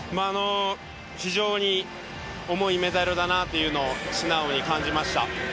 非常に重いメダルだなというのを素直に感じました。